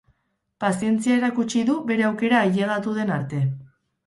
Pazientzia erakutsi du bere aukera ailegatu den arte.